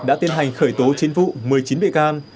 đã tiến hành khởi tố chín vụ một mươi chín bị can